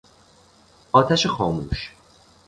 آتش خاموش